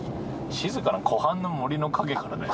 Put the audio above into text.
静かな湖畔の森の陰からだよ。